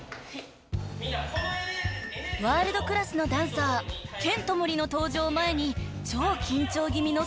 ［ワールドクラスのダンサーケント・モリの登場を前に］